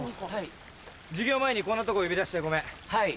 授業前にこんなとこ呼び出してごめん。